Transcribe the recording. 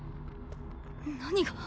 何が。